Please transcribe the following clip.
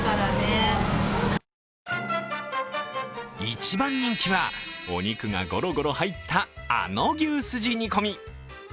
一番人気は、お肉がゴロゴロ入った、あの牛すじ煮込み。